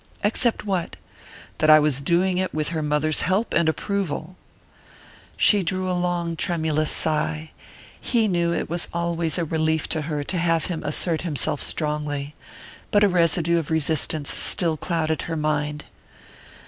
"Except what?" "That I was doing it with her mother's help and approval." She drew a long tremulous sigh: he knew it was always a relief to her to have him assert himself strongly. But a residue of resistance still clouded her mind.